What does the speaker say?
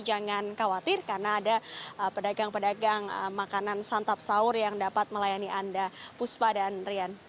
jangan khawatir karena ada pedagang pedagang makanan santap sahur yang dapat melayani anda puspa dan rian